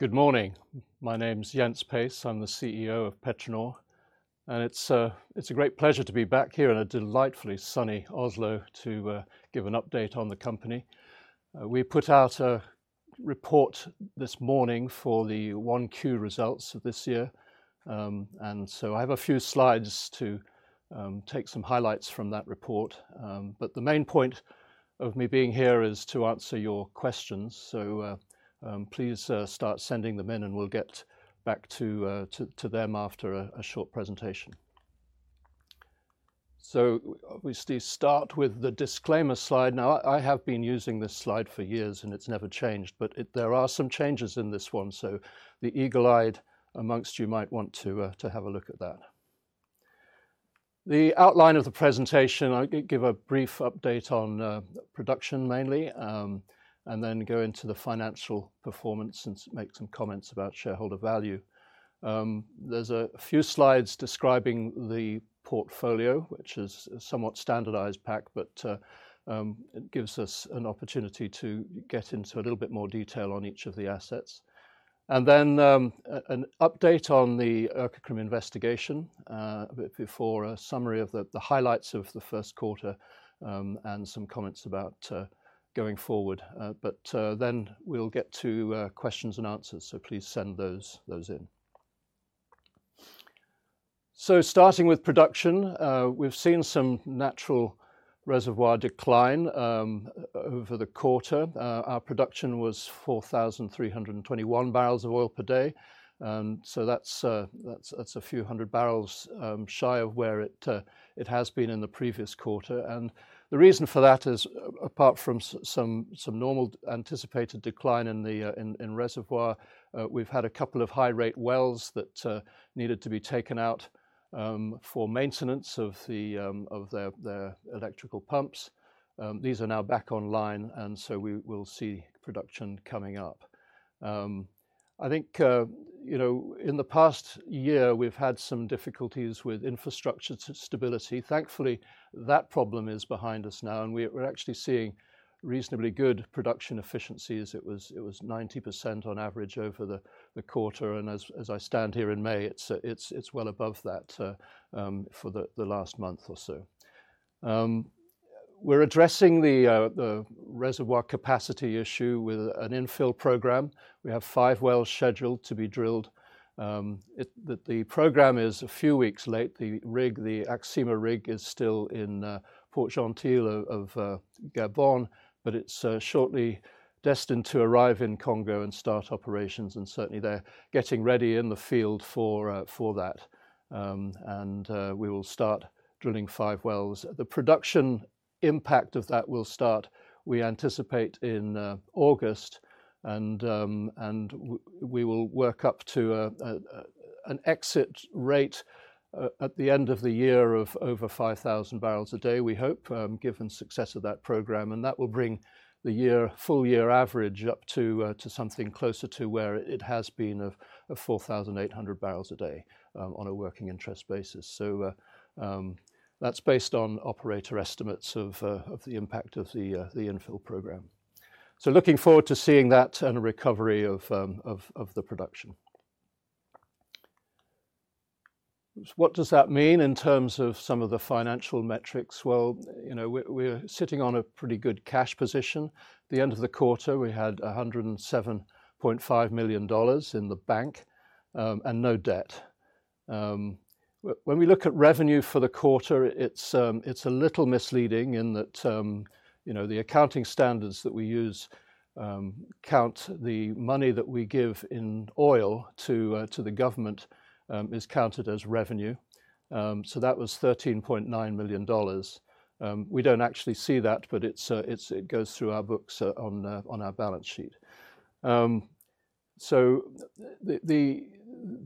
Good morning. My name's Jens Pace, I'm the CEO of PetroNor, and it's a great pleasure to be back here in a delightfully sunny Oslo to give an update on the company. We put out a report this morning for the 1Q results of this year, and I have a few slides to take some highlights from that report. The main point of me being here is to answer your questions, so please start sending them in, and we'll get back to them after a short presentation. We start with the disclaimer slide. I have been using this slide for years, and it's never changed, but there are some changes in this one, so the eagle-eyed amongst you might want to have a look at that. The outline of the presentation, I'll give a brief update on production mainly, and then go into the financial performance and make some comments about shareholder value. There are a few slides describing the portfolio, which is a somewhat standardized pack, but it gives us an opportunity to get into a little bit more detail on each of the assets. And then an update on the Oracle Crime Investigation before a summary of the highlights of the first quarter and some comments about going forward. We will get to questions and answers, so please send those in. Starting with production, we've seen some natural reservoir decline over the quarter. Our production was 4,321 barrels of oil per day, and that is a few hundred barrels shy of where it has been in the previous quarter. The reason for that is, apart from some normal anticipated decline in reservoir, we've had a couple of high-rate wells that needed to be taken out for maintenance of their electrical pumps. These are now back online, and we will see production coming up. I think in the past year, we've had some difficulties with infrastructure stability. Thankfully, that problem is behind us now, and we're actually seeing reasonably good production efficiencies. It was 90% on average over the quarter, and as I stand here in May, it's well above that for the last month or so. We're addressing the reservoir capacity issue with an infill program. We have five wells scheduled to be drilled. The program is a few weeks late. The rig, the AXIMA rig, is still in Port-Gentile of Gabon, but it is shortly destined to arrive in Congo and start operations, and certainly they are getting ready in the field for that. We will start drilling five wells. The production impact of that will start, we anticipate, in August, and we will work up to an exit rate at the end of the year of over 5,000 barrels a day, we hope, given success of that program. That will bring the full year average up to something closer to where it has been of 4,800 barrels a day on a working interest basis. That is based on operator estimates of the impact of the infill program. Looking forward to seeing that and a recovery of the production. What does that mean in terms of some of the financial metrics? We're sitting on a pretty good cash position. At the end of the quarter, we had $107.5 million in the bank and no debt. When we look at revenue for the quarter, it's a little misleading in that the accounting standards that we use count the money that we give in oil to the government is counted as revenue. That was $13.9 million. We don't actually see that, but it goes through our books on our balance sheet.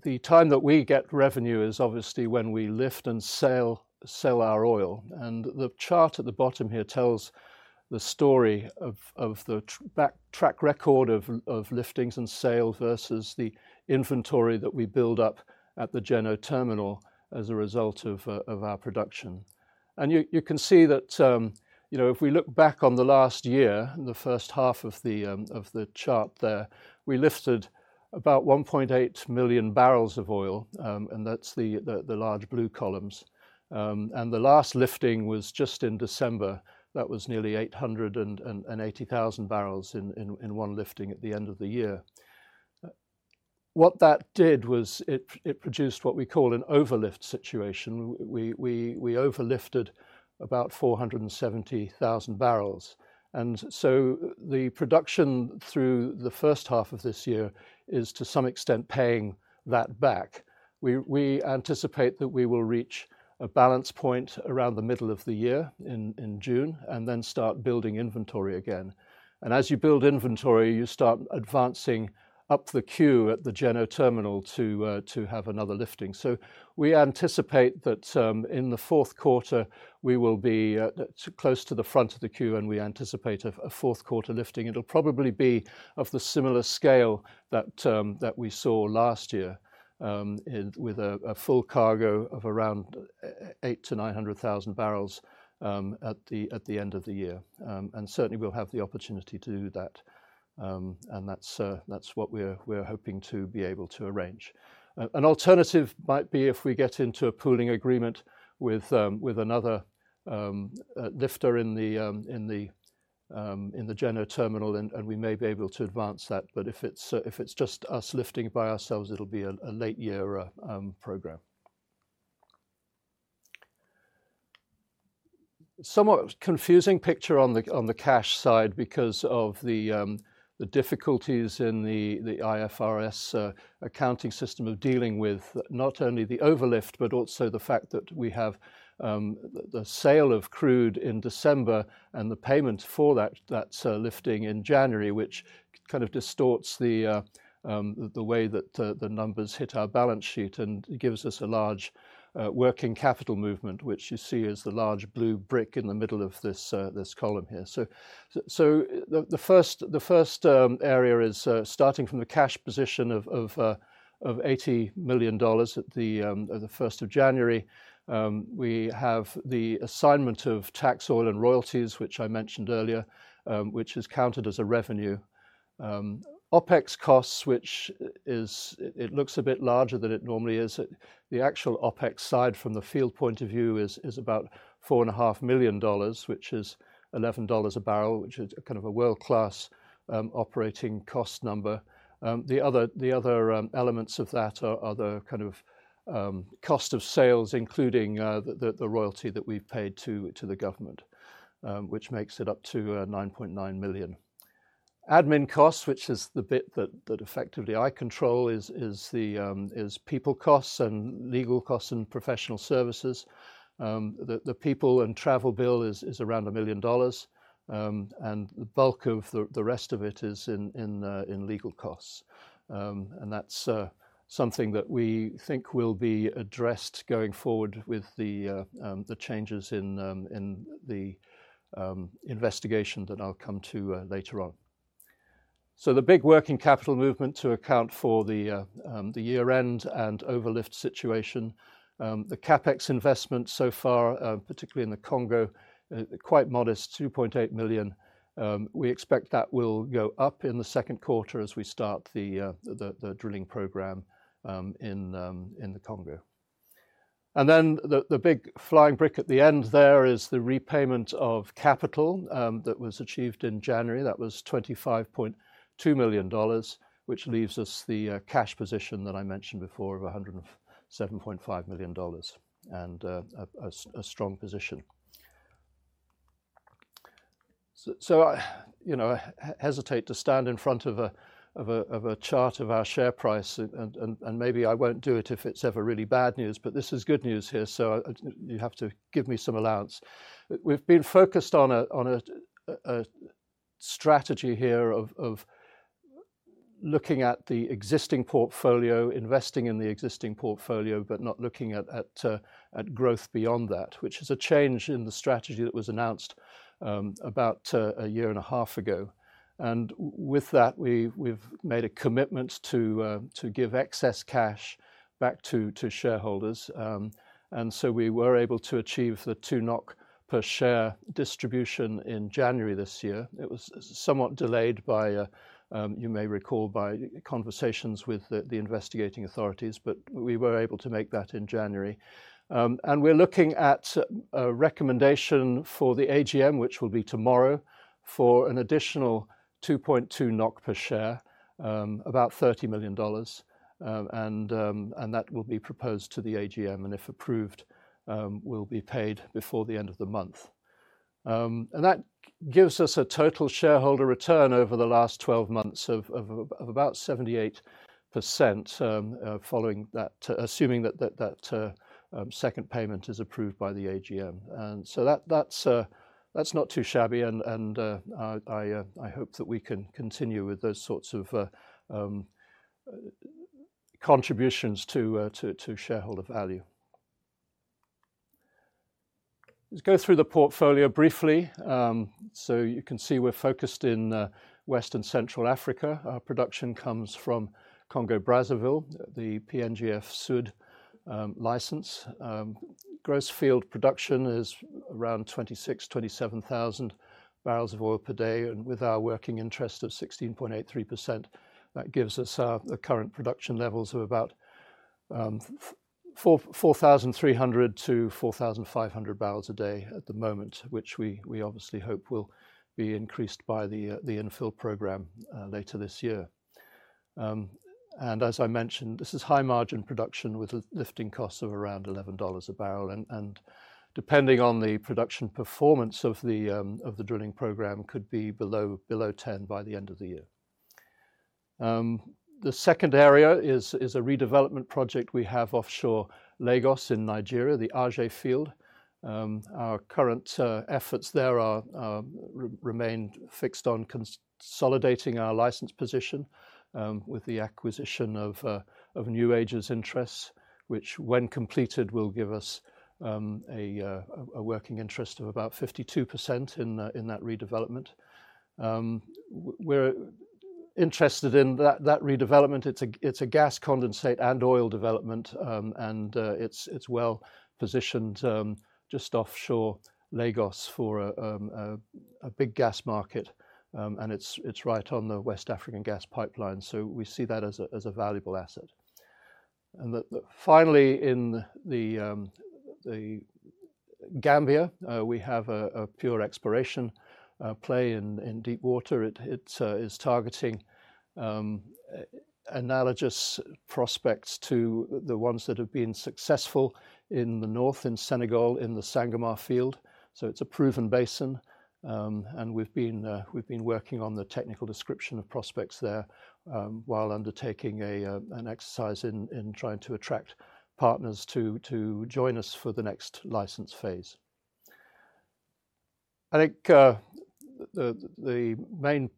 The time that we get revenue is obviously when we lift and sell our oil. The chart at the bottom here tells the story of the back track record of liftings and sales versus the inventory that we build up at the Jenner terminal as a result of our production. You can see that if we look back on the last year, the first half of the chart there, we lifted about 1.8 million barrels of oil, and that is the large blue columns. The last lifting was just in December. That was nearly 880,000 barrels in one lifting at the end of the year. What that did was it produced what we call an overlift situation. We overlifted about 470,000 barrels. The production through the first half of this year is, to some extent, paying that back. We anticipate that we will reach a balance point around the middle of the year in June and then start building inventory again. As you build inventory, you start advancing up the queue at the Jenner terminal to have another lifting. We anticipate that in the fourth quarter, we will be close to the front of the queue, and we anticipate a fourth quarter lifting. It'll probably be of the similar scale that we saw last year with a full cargo of around 800,000-900,000 barrels at the end of the year. Certainly, we'll have the opportunity to do that, and that's what we're hoping to be able to arrange. An alternative might be if we get into a pooling agreement with another lifter in the Jenner terminal, and we may be able to advance that. If it's just us lifting by ourselves, it'll be a late year program. Somewhat confusing picture on the cash side because of the difficulties in the IFRS accounting system of dealing with not only the overlift, but also the fact that we have the sale of crude in December and the payment for that lifting in January, which kind of distorts the way that the numbers hit our balance sheet and gives us a large working capital movement, which you see as the large blue brick in the middle of this column here. The first area is starting from the cash position of $80 million at the 1st of January. We have the assignment of tax oil and royalties, which I mentioned earlier, which is counted as a revenue. OPEX costs, which looks a bit larger than it normally is. The actual OPEX side from the field point of view is about $4.5 million, which is $11 a barrel, which is kind of a world-class operating cost number. The other elements of that are the kind of cost of sales, including the royalty that we've paid to the government, which makes it up to $9.9 million. Admin costs, which is the bit that effectively I control, is people costs and legal costs and professional services. The people and travel bill is around $1 million, and the bulk of the rest of it is in legal costs. That's something that we think will be addressed going forward with the changes in the investigation that I'll come to later on. The big working capital movement to account for the year-end and overlift situation. The CapEx investment so far, particularly in the Congo, quite modest, $2.8 million. We expect that will go up in the second quarter as we start the drilling program in the Congo. The big flying brick at the end there is the repayment of capital that was achieved in January. That was $25.2 million, which leaves us the cash position that I mentioned before of $107.5 million and a strong position. I hesitate to stand in front of a chart of our share price, and maybe I won't do it if it's ever really bad news, but this is good news here, so you have to give me some allowance. We've been focused on a strategy here of looking at the existing portfolio, investing in the existing portfolio, but not looking at growth beyond that, which is a change in the strategy that was announced about a year and a half ago. With that, we've made a commitment to give excess cash back to shareholders. We were able to achieve the 2 NOK per share distribution in January this year. It was somewhat delayed, you may recall, by conversations with the investigating authorities, but we were able to make that in January. We're looking at a recommendation for the AGM, which will be tomorrow, for an additional 2.2 NOK per share, about $30 million, and that will be proposed to the AGM, and if approved, will be paid before the end of the month. That gives us a total shareholder return over the last 12 months of about 78% following that, assuming that second payment is approved by the AGM. That's not too shabby, and I hope that we can continue with those sorts of contributions to shareholder value. Let's go through the portfolio briefly. You can see we're focused in West and Central Africa. Our production comes from Congo-Brazzaville, the PNGF-SUD license. Gross field production is around 26,000-27,000 barrels of oil per day. With our working interest of 16.83%, that gives us our current production levels of about 4,300-4,500 barrels a day at the moment, which we obviously hope will be increased by the infill program later this year. As I mentioned, this is high-margin production with lifting costs of around $11 a barrel, and depending on the production performance of the drilling program, could be below 10 by the end of the year. The second area is a redevelopment project we have offshore Lagos in Nigeria, the Aje field. Our current efforts there remain fixed on consolidating our license position with the acquisition of New Age's interests, which, when completed, will give us a working interest of about 52% in that redevelopment. We're interested in that redevelopment. It's a gas condensate and oil development, and it's well positioned just offshore Lagos for a big gas market, and it's right on the West African gas pipeline. We see that as a valuable asset. Finally, in the Gambia, we have a pure exploration play in deep water. It is targeting analogous prospects to the ones that have been successful in the north, in Senegal, in the Sangomar field. It is a proven basin, and we've been working on the technical description of prospects there while undertaking an exercise in trying to attract partners to join us for the next license phase. I think the main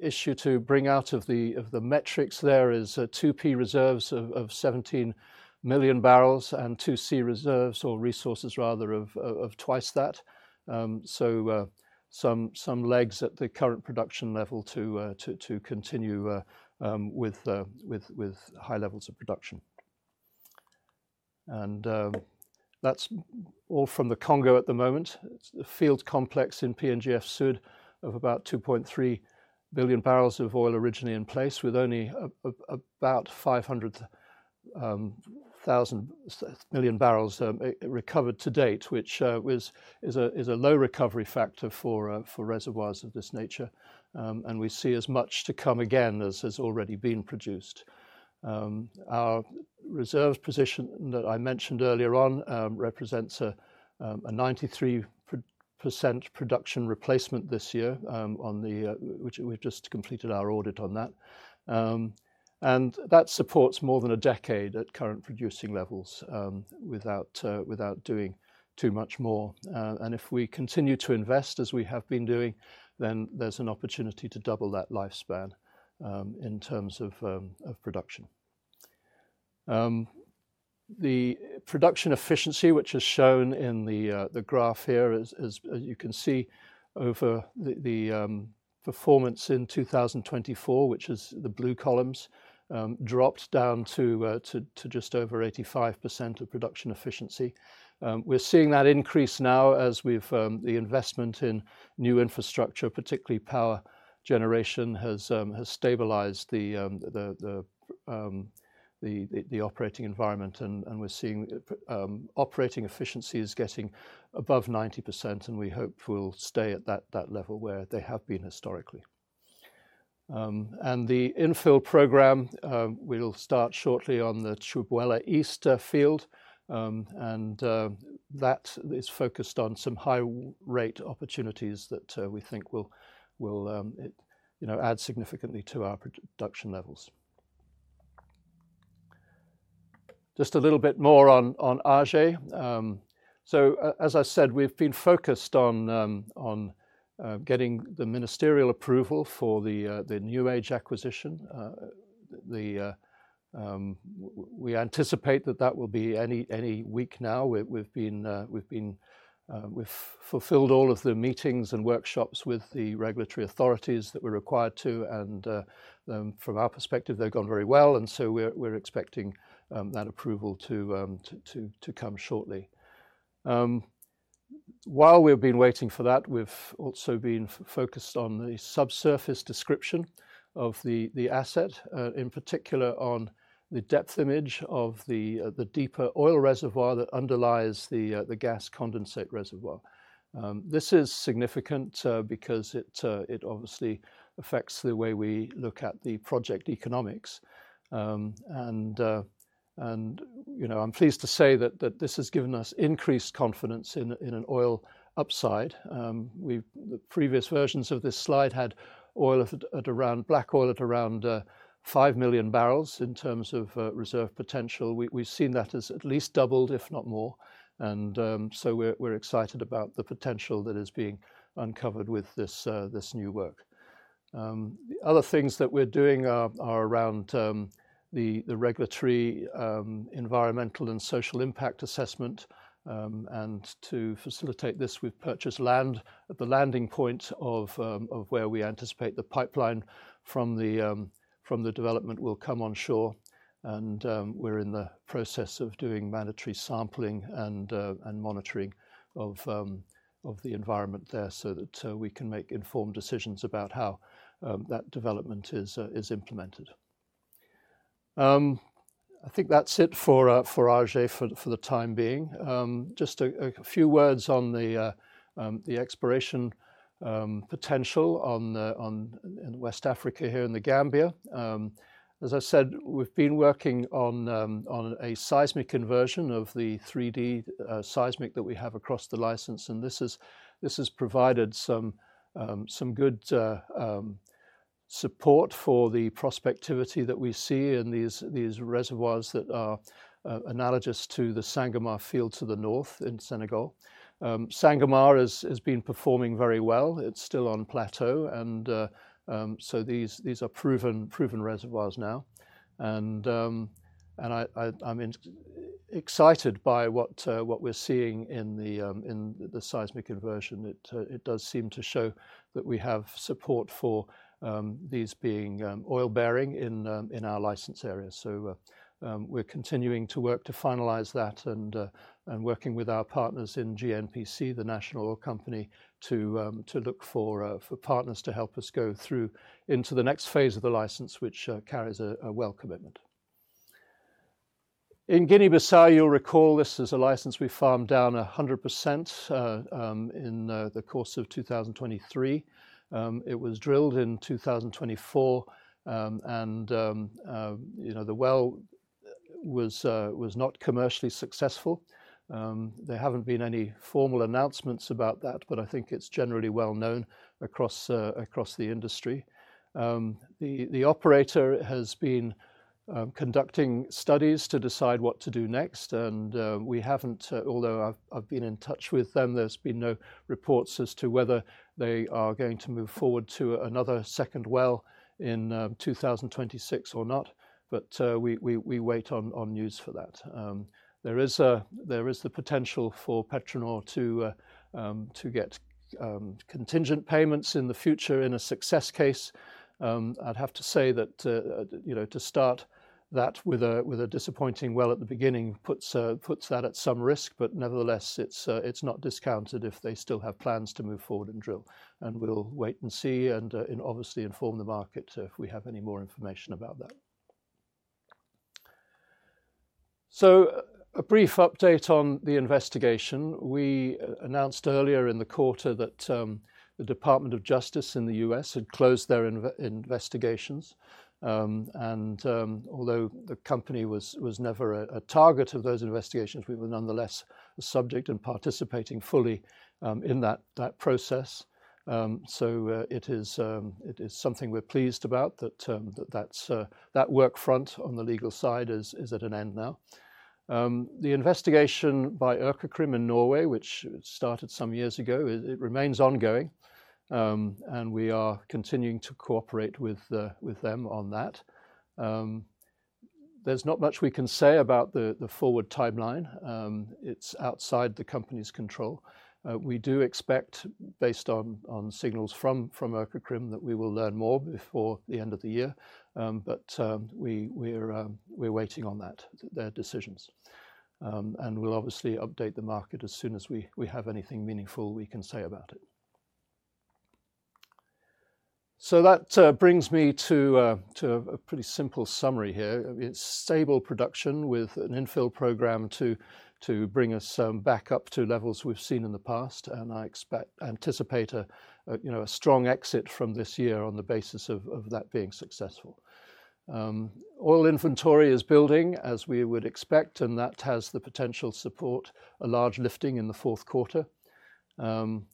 issue to bring out of the metrics there is 2P reserves of 17 million barrels and 2C resources of twice that. Some legs at the current production level to continue with high levels of production. That is all from the Congo at the moment. It is the field complex in PNGF-SUD of about 2.3 billion barrels of oil originally in place, with only about 500 million barrels recovered to date, which is a low recovery factor for reservoirs of this nature. We see as much to come again as has already been produced. Our reserves position that I mentioned earlier on represents a 93% production replacement this year, which we have just completed our audit on. That supports more than a decade at current producing levels without doing too much more. If we continue to invest as we have been doing, then there's an opportunity to double that lifespan in terms of production. The production efficiency, which is shown in the graph here, as you can see over the performance in 2024, which is the blue columns, dropped down to just over 85% of production efficiency. We're seeing that increase now as the investment in new infrastructure, particularly power generation, has stabilized the operating environment. We're seeing operating efficiency is getting above 90%, and we hope will stay at that level where they have been historically. The infill program will start shortly on the Chubwela East field. That is focused on some high-rate opportunities that we think will add significantly to our production levels. Just a little bit more on Aje. As I said, we've been focused on getting the ministerial approval for the New Age acquisition. We anticipate that that will be any week now. We've fulfilled all of the meetings and workshops with the regulatory authorities that we're required to. From our perspective, they've gone very well. We are expecting that approval to come shortly. While we've been waiting for that, we've also been focused on the subsurface description of the asset, in particular on the depth image of the deeper oil reservoir that underlies the gas condensate reservoir. This is significant because it obviously affects the way we look at the project economics. I'm pleased to say that this has given us increased confidence in an oil upside. The previous versions of this slide had black oil at around 5 million barrels in terms of reserve potential. We've seen that has at least doubled, if not more. We are excited about the potential that is being uncovered with this new work. Other things that we are doing are around the regulatory, environmental, and social impact assessment. To facilitate this, we have purchased land at the landing point of where we anticipate the pipeline from the development will come onshore. We are in the process of doing mandatory sampling and monitoring of the environment there so that we can make informed decisions about how that development is implemented. I think that is it for Aje for the time being. Just a few words on the exploration potential in West Africa here in the Gambia. As I said, we have been working on a seismic conversion of the 3D seismic that we have across the license. This has provided some good support for the prospectivity that we see in these reservoirs that are analogous to the Sangomar field to the north in Senegal. Sangomar has been performing very well. It is still on plateau. These are proven reservoirs now. I am excited by what we are seeing in the seismic conversion. It does seem to show that we have support for these being oil-bearing in our license area. We are continuing to work to finalize that and working with our partners in GNPC, the national oil company, to look for partners to help us go through into the next phase of the license, which carries a well commitment. In Guinea-Bissau, you will recall this is a license we farmed down 100% in the course of 2023. It was drilled in 2024. The well was not commercially successful. There have not been any formal announcements about that, but I think it is generally well known across the industry. The operator has been conducting studies to decide what to do next. We have not, although I have been in touch with them, received any reports as to whether they are going to move forward to another second well in 2026 or not. We wait on news for that. There is the potential for PetroNor to get contingent payments in the future in a success case. I would have to say that to start that with a disappointing well at the beginning puts that at some risk, but nevertheless, it is not discounted if they still have plans to move forward and drill. We will wait and see and obviously inform the market if we have any more information about that. A brief update on the investigation. We announced earlier in the quarter that the Department of Justice in the U.S. had closed their investigations. Although the company was never a target of those investigations, we were nonetheless a subject and participating fully in that process. It is something we're pleased about that that work front on the legal side is at an end now. The investigation by Økokrim in Norway, which started some years ago, remains ongoing. We are continuing to cooperate with them on that. There is not much we can say about the forward timeline. It is outside the company's control. We do expect, based on signals from Økokrim, that we will learn more before the end of the year. We are waiting on that, their decisions. We will obviously update the market as soon as we have anything meaningful we can say about it. That brings me to a pretty simple summary here. It is stable production with an infill program to bring us back up to levels we have seen in the past. I anticipate a strong exit from this year on the basis of that being successful. Oil inventory is building, as we would expect, and that has the potential to support a large lifting in the fourth quarter. With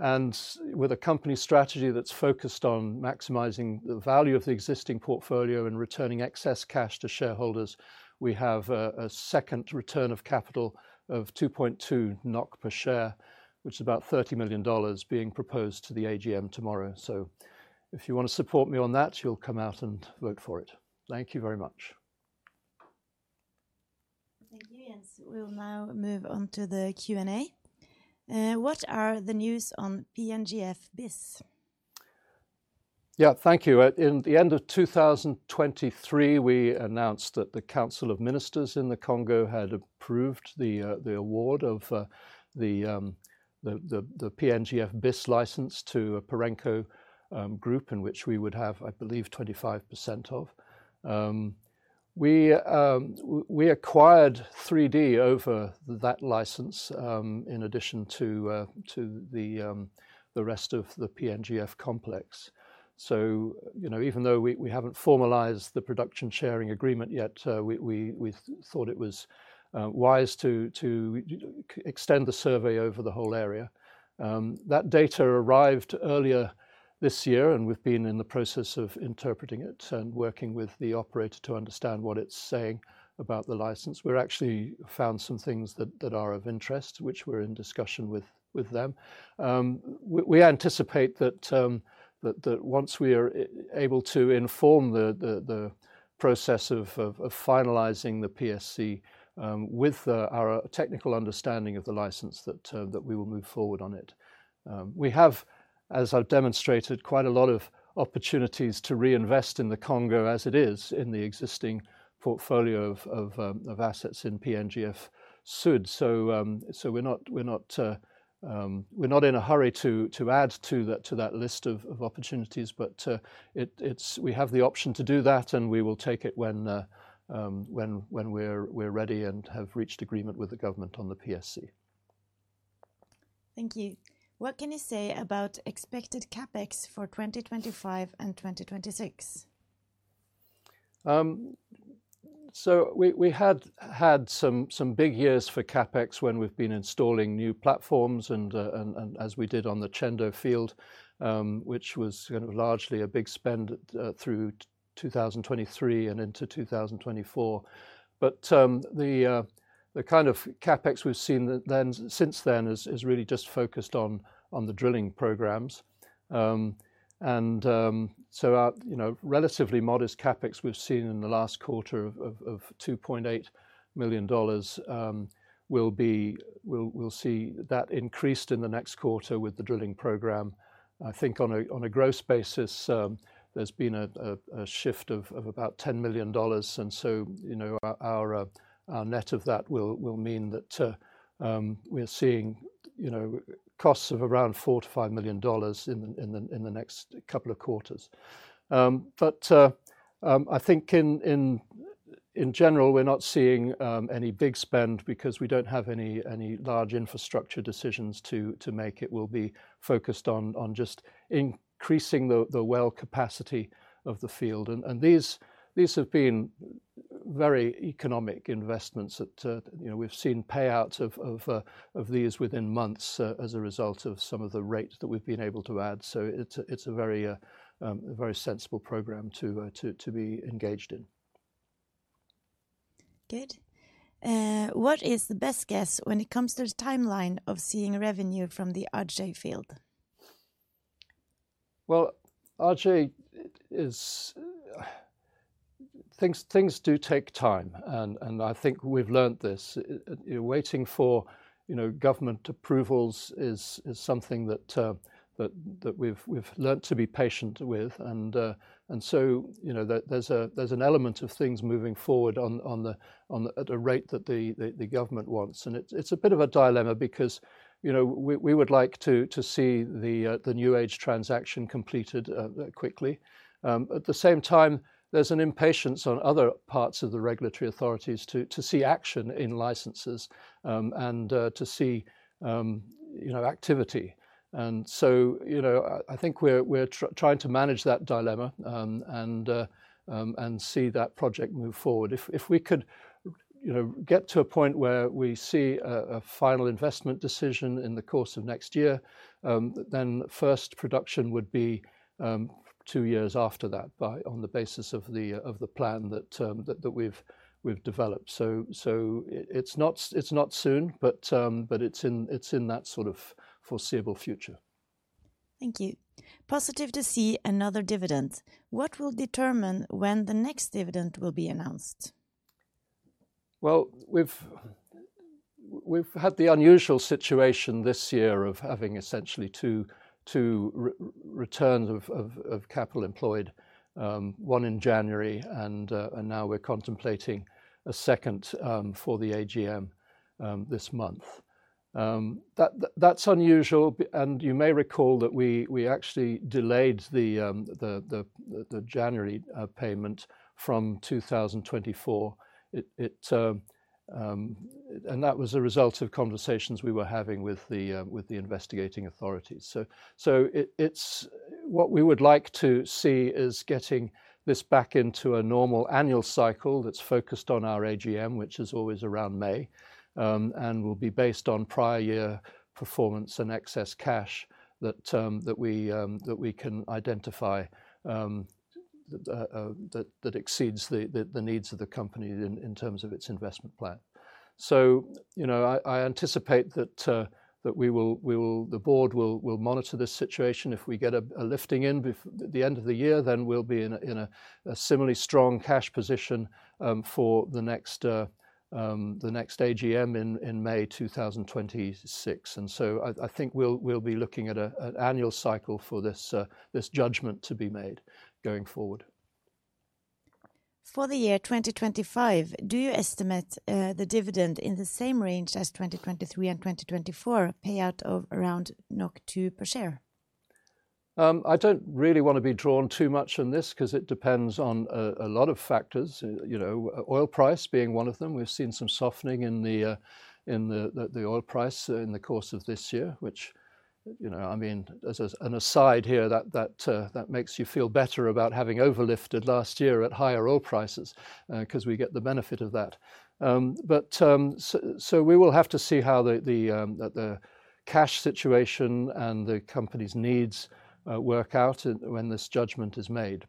a company strategy that is focused on maximizing the value of the existing portfolio and returning excess cash to shareholders, we have a second return of capital of 2.2 NOK per share, which is about $30 million being proposed to the AGM tomorrow. If you want to support me on that, you will come out and vote for it. Thank you very much. Thank you. We will now move on to the Q and A. What are the news on PNGF-BIS? Yeah, thank you. In the end of 2023, we announced that the Council of Ministers in the Congo had approved the award of the PNGF-BIS license to a Parenko group, in which we would have, I believe, 25% of. We acquired 3D over that license in addition to the rest of the PNGF complex. Even though we haven't formalized the production sharing agreement yet, we thought it was wise to extend the survey over the whole area. That data arrived earlier this year, and we've been in the process of interpreting it and working with the operator to understand what it's saying about the license. We've actually found some things that are of interest, which we're in discussion with them. We anticipate that once we are able to inform the process of finalizing the PSC with our technical understanding of the license, that we will move forward on it. We have, as I've demonstrated, quite a lot of opportunities to reinvest in the Congo as it is in the existing portfolio of assets in PNGF-SUD. We are not in a hurry to add to that list of opportunities, but we have the option to do that, and we will take it when we're ready and have reached agreement with the government on the PSC. Thank you. What can you say about expected CapEx for 2025 and 2026? We had some big years for CapEx when we've been installing new platforms, and as we did on the Chendo field, which was kind of largely a big spend through 2023 and into 2024. The kind of CapEx we've seen since then is really just focused on the drilling programs. Relatively modest CapEx we've seen in the last quarter of $2.8 million will see that increased in the next quarter with the drilling program. I think on a gross basis, there's been a shift of about $10 million. Our net of that will mean that we're seeing costs of around $4-$5 million in the next couple of quarters. I think in general, we're not seeing any big spend because we don't have any large infrastructure decisions to make. It will be focused on just increasing the well capacity of the field. These have been very economic investments that we've seen payout of these within months as a result of some of the rate that we've been able to add. It is a very sensible program to be engaged in. Good. What is the best guess when it comes to the timeline of seeing revenue from the Aje field? Aje is things do take time. I think we've learned this. Waiting for government approvals is something that we've learned to be patient with. There is an element of things moving forward at a rate that the government wants. It's a bit of a dilemma because we would like to see the New Age transaction completed quickly. At the same time, there is an impatience on other parts of the regulatory authorities to see action in licenses and to see activity. I think we're trying to manage that dilemma and see that project move forward. If we could get to a point where we see a final investment decision in the course of next year, then first production would be two years after that on the basis of the plan that we've developed. It's not soon, but it's in that sort of foreseeable future. Thank you. Positive to see another dividend. What will determine when the next dividend will be announced? We have had the unusual situation this year of having essentially two returns of capital employed, one in January, and now we are contemplating a second for the AGM this month. That is unusual. You may recall that we actually delayed the January payment from 2024. That was a result of conversations we were having with the investigating authorities. What we would like to see is getting this back into a normal annual cycle that is focused on our AGM, which is always around May, and will be based on prior year performance and excess cash that we can identify that exceeds the needs of the company in terms of its investment plan. I anticipate that the board will monitor this situation. If we get a lifting in at the end of the year, then we'll be in a similarly strong cash position for the next AGM in May 2026. I think we'll be looking at an annual cycle for this judgment to be made going forward. For the year 2025, do you estimate the dividend in the same range as 2023 and 2024, payout of around 2 per share? I don't really want to be drawn too much on this because it depends on a lot of factors, oil price being one of them. We've seen some softening in the oil price in the course of this year, which, I mean, as an aside here, that makes you feel better about having overlifted last year at higher oil prices because we get the benefit of that. We will have to see how the cash situation and the company's needs work out when this judgment is made.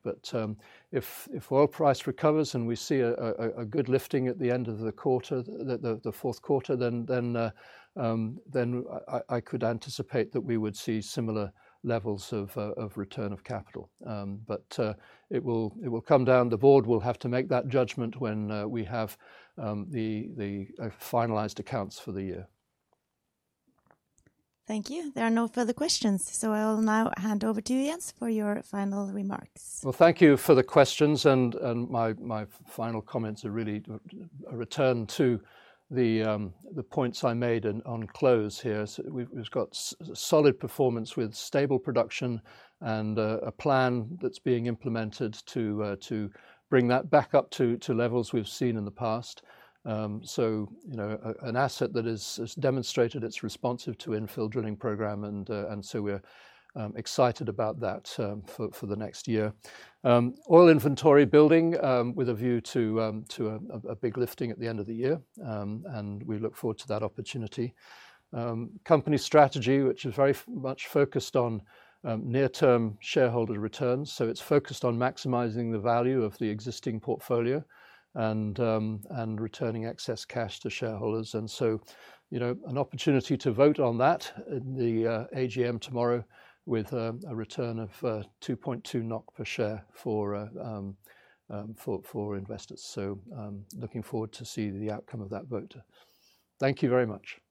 If oil price recovers and we see a good lifting at the end of the quarter, the fourth quarter, then I could anticipate that we would see similar levels of return of capital. It will come down. The board will have to make that judgment when we have the finalized accounts for the year. Thank you. There are no further questions. I'll now hand over to Jens for your final remarks. Thank you for the questions. My final comments are really a return to the points I made on close here. We have got solid performance with stable production and a plan that is being implemented to bring that back up to levels we have seen in the past. An asset that has demonstrated it is responsive to infill drilling program. We are excited about that for the next year. Oil inventory building with a view to a big lifting at the end of the year. We look forward to that opportunity. Company strategy, which is very much focused on near-term shareholder returns. It is focused on maximizing the value of the existing portfolio and returning excess cash to shareholders. An opportunity to vote on that in the AGM tomorrow with a return of 2.2 NOK per share for investors. Looking forward to see the outcome of that vote. Thank you very much.